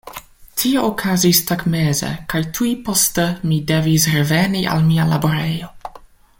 Tio okazis tagmeze, kaj tuj poste mi devis reveni al mia laborejo.